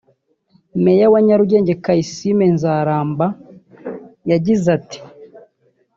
Meya wa Nyarugenge Kayisime Nzaramba yagize ati